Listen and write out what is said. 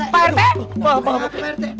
pak pak pak